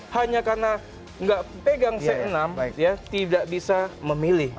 hanya karena nggak pegang c enam ya tidak bisa memilih